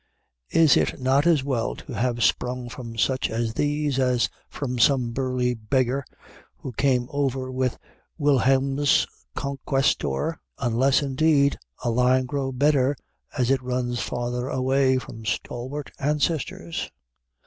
Is it not as well to have sprung from such as these as from some burly beggar who came over with Wilhelmus Conquestor, unless, indeed, a line grow better as it runs farther away from stalwart ancestors?